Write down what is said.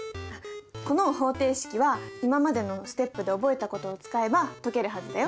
この方程式は今までのステップで覚えたことを使えば解けるはずだよ。